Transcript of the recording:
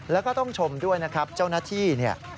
แล้วก็ต้องชมด้วยนะครับเจ้าหน้าที่เนี่ย